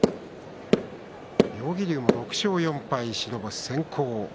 妙義龍、６勝４敗、白星先行です。